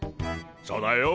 そうだよ。